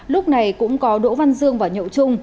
lúc này cũng có đỗ văn dương và nhậu trung